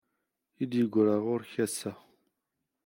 I d-yegra ɣur-k ass-a.